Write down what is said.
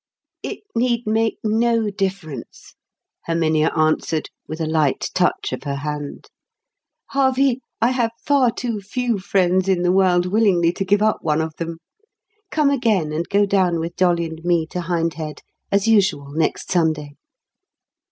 "It need make no difference," Herminia answered, with a light touch of her hand. "Harvey, I have far too few friends in the world willingly to give up one of them. Come again and go down with Dolly and me to Hind Head as usual next Sunday."